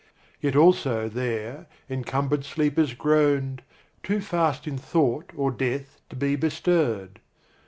Yet also there encumbered sleepers groaned, Too fast in thought or death to be bestirred.